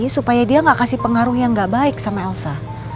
supaya dia gak kasih pengaruh yang gak baik sama elsa